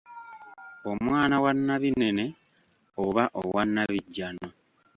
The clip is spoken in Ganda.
Omwana wa Nabinene oba wa Nabijjaano.